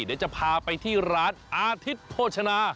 เดี๋ยวจะพาไปที่ร้านอาทิตย์โภชนา